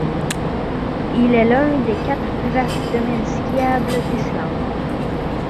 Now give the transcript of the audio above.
Il est l'un des quatre plus vastes domaines skiables d'Islande.